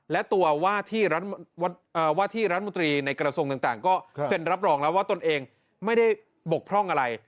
และตัวว่าที่รัฐมนตรีในกระทรวงต่างก็เซ็นรับรองแล้วว่าตนเองไม่ได้บกพร่องอะไร